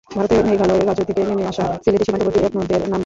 ভারতের মেঘালয় রাজ্য থেকে নেমে আসা সিলেটের সীমান্তবর্তী এক নদের নাম ধলাই।